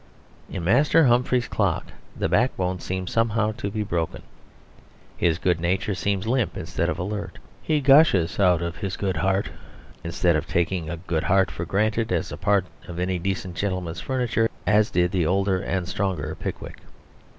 In Master Humphrey's Clock the backbone seems somehow to be broken; his good nature seems limp instead of alert. He gushes out of his good heart; instead of taking a good heart for granted as a part of any decent gentleman's furniture as did the older and stronger Pickwick.